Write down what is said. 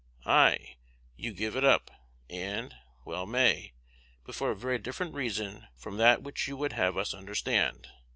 "] Ay, you give it up, and well you may; but for a very different reason from that which you would have us understand.